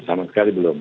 sama sekali belum